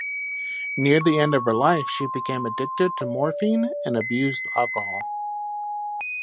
Near the end of her life she became addicted to morphine and abused alcohol.